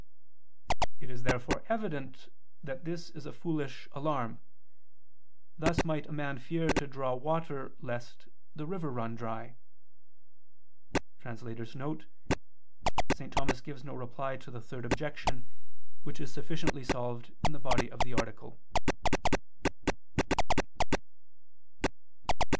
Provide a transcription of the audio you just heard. It is therefore evident that this is a foolish alarm; thus might a man fear to draw water lest the river run dry. [*St. Thomas gives no reply to the third objection, which is sufficiently solved in the body of the article.